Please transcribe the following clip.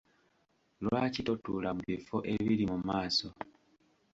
Lwaki totuula mu bifo ebiri mu maaso?